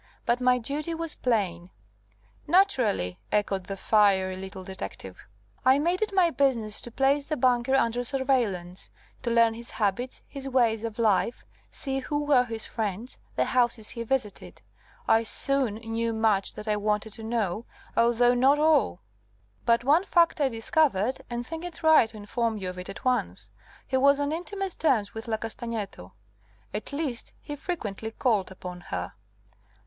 But my duty was plain " "Naturally," echoed the fiery little detective. "I made it my business to place the banker under surveillance, to learn his habits, his ways of life, see who were his friends, the houses he visited. I soon knew much that I wanted to know, although not all. But one fact I discovered, and think it right to inform you of it at once. He was on intimate terms with La Castagneto at least, he frequently called upon her."